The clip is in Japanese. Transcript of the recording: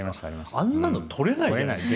あんなの撮れないじゃないですか。